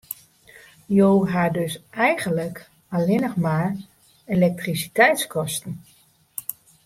Jo ha dus eigenlik allinne mar elektrisiteitskosten.